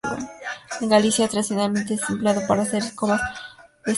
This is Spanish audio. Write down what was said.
En Galicia tradicionalmente se ha empleado para hacer escobas destinadas a barrer.